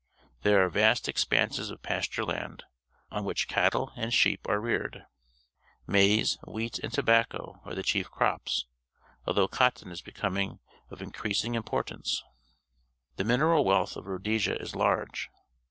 There are vast expanses of pasture land, on which cattle and sheep are reared. Maize, wheat, and tobacco are the chief crops, although cotton is becoming of increasing importance. The mineral wealth of Rhodesia is large.